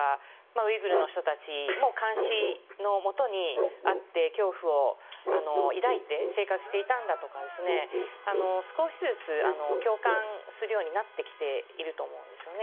ウイグルの人たちも監視のもとにあって恐怖を抱いて生活していたんだとか少しずつ共感するようになってきていると思うんですよね。